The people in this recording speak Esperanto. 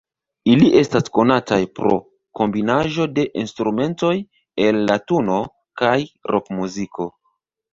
Ili estas konataj pro kombinaĵo de instrumentoj el latuno kaj rokmuziko.